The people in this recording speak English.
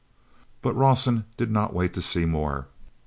But Rawson did not wait to see more.